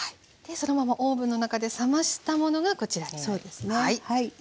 そのままオーブンの中で冷ましたものがこちらになりますね。